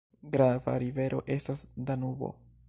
Grava rivero estas Danubo.